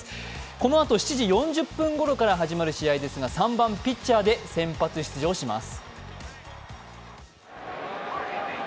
このあと７時４０分ごろから始まる試合ですが３番・ピッチャーで先発出場をします。